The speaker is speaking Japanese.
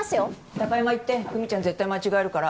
貴山行って久実ちゃん絶対間違えるから。